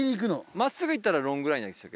真っすぐ行ったらロングラインでしたっけ？